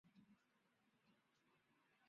不在这里会在哪里啊？